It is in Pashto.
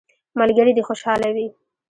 ملګري دي خوشحاله وي.